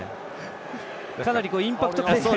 かなりインパクトが。